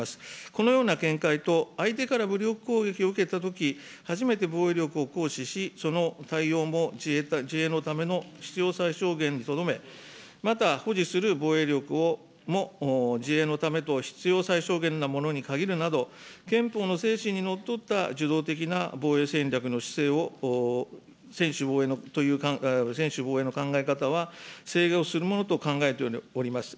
このような見解と相手から武力攻撃を受けたとき、初めて防衛力を行使し、その対応も自衛のための必要最小限にとどめ、また、保持する防衛力も自衛のためと必要最小限のものに限るなど、憲法の精神にのっとった受動的な防衛戦略の姿勢を、専守防衛の考え方はするものと考えております。